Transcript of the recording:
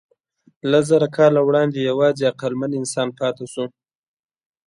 لسزره کاله وړاندې یواځې عقلمن انسان پاتې شو.